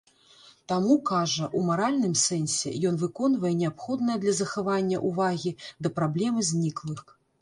Таму, кажа, у маральным сэнсе ён выконвае неабходнае для захавання ўвагі да праблемы зніклых.